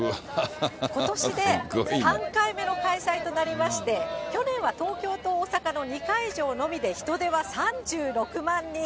ことしで３回目の開催となりまして、去年は東京と大阪の２会場のみで人出は３６万人。